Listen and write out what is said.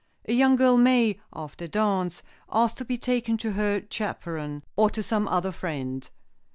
A young girl may, after a dance, ask to be taken to her chaperon, or to some other friend.